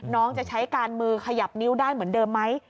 น้องจะใช้การมือขยับนิ้วได้เหมือนเดิมไหม